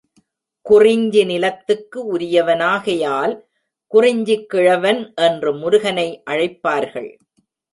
குறிஞ்சி நிலத்துக்கு உரியவனாகையால் குறிஞ்சிக் கிழவன் என்று முருகனை அழைப்பார்கள்.